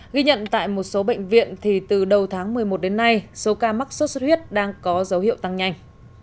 ghi nhận tại một số bệnh viện thì từ đầu tháng một mươi một đến nay số ca mắc sốt xuất huyết đang có dấu hiệu tăng nhanh